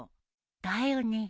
だよね。